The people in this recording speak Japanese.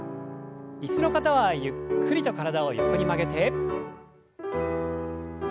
椅子の方はゆっくりと体を横に曲げて。